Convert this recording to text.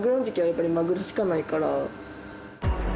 やっぱりマグロしかないから。